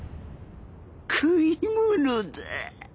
食い物だ